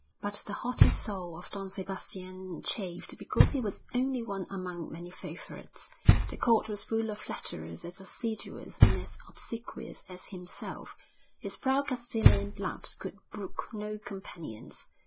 But the haughty soul of Don Sebastian chafed because he was only one among many favourites. The court was full of flatterers as assiduous and as obsequious as himself; his proud Castilian blood could brook no companions....